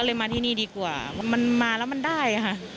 มาที่นี่ดีกว่ามันมาแล้วมันได้ค่ะ